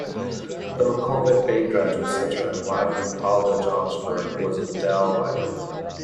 The McCall MacBain Graduate Centre at Wadham College, Oxford, was endowed by him.